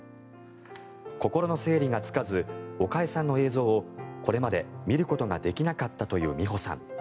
心の整理がつかず岡江さんの映像をこれまで見ることができなかったという美帆さん。